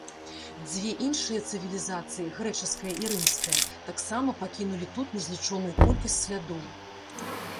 Дзве іншыя цывілізацыі, грэчаская і рымская, таксама пакінулі тут незлічоную колькасць слядоў.